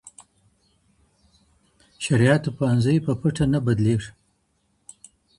شرعیاتو پوهنځۍ په پټه نه بدلیږي.